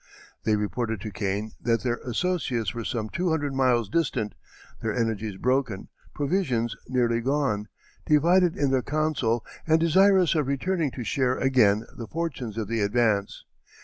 They reported to Kane that their associates were some two hundred miles distant, their energies broken, provisions nearly gone, divided in their counsel, and desirous of returning to share again the fortunes of the Advance.